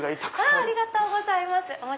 ありがとうございます。